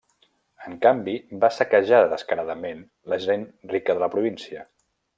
En canvi va saquejar descaradament la gent rica de la província.